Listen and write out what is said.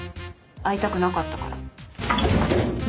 会いたくなかったから。